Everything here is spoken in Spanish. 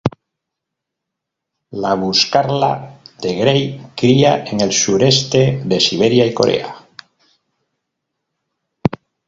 La buscarla de Gray cría en el sureste de Siberia y Corea.